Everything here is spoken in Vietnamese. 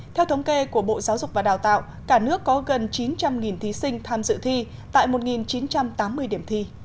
theo thống kê của bộ giáo dục và đào tạo cả nước có gần chín trăm linh thí sinh tham dự thi tại một chín trăm tám mươi điểm thi